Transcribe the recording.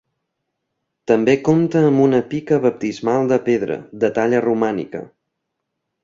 També compta amb una pica baptismal de pedra, de talla romànica.